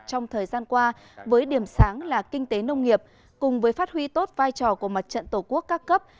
trong thời gian qua với điểm sáng là kinh tế nông nghiệp cùng với phát huy tốt vai trò của mặt trận tổ quốc các cấp